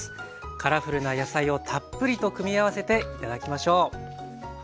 カラフルな野菜をたっぷりと組み合わせて頂きましょう。